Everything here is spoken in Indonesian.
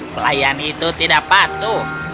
pelayan itu tidak patuh